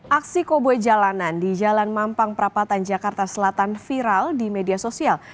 aksi koboi jalanan di jalan mampang perapatan jakarta selatan viral di media sosial